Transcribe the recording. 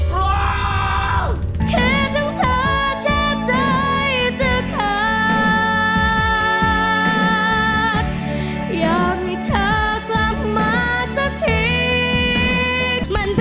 รถมะทะ